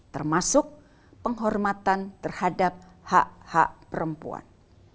termasuk penghormatan terhadap orang orang